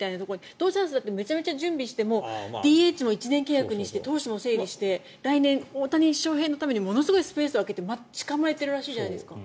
ドジャースめちゃくちゃ準備してもＤＨも１年契約にして投手も整理して来年、大谷翔平選手のためにものすごくスペースを空けて待ち構えてるらしいじゃないですか。